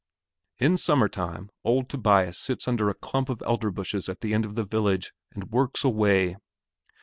In summertime, old Tobias sits under a clump of elder bushes at the end of the village and works away.